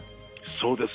そうです。